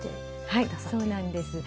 はいそうなんです。